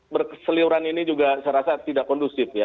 berseliuran ini juga secara saya tidak kondusif ya